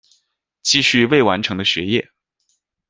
继续未完成的学业